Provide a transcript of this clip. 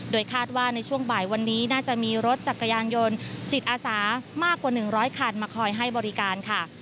คาดว่าในช่วงบ่ายวันนี้น่าจะมีรถจักรยานยนต์จิตอาสามากกว่า๑๐๐คันมาคอยให้บริการค่ะ